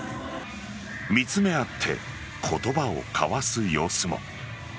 見つめ合って言葉を交わす様子も。